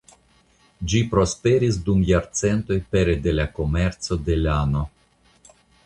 Ĝi prosperis dum jarcentoj pere de la komerco de lano.